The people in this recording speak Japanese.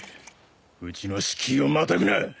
うちの敷居をまたぐな。